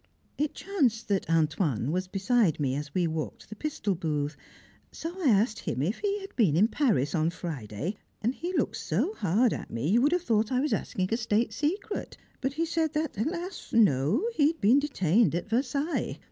It chanced that "Antoine" was beside me as we walked to the pistol booth, so I asked him if he had been in Paris on Friday, and he looked so hard at me, you would have thought I was asking a State secret; but he said that alas! no, he had been detained at Versailles.